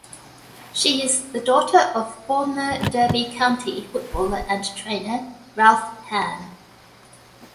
She is the daughter of former Derby County footballer and trainer Ralph Hann.